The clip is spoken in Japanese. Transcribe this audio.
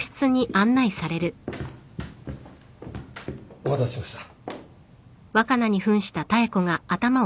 ・・お待たせしました。